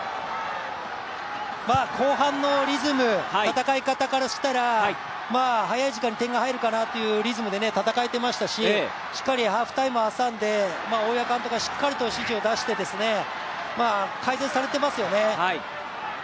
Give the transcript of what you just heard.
後半のリズム、戦い方からしたら早い時間に点が入るかなというリズムで戦えていましたし、しっかりハーフタイム挟んで大岩監督がしっかりと指示を出して改善されていますよね。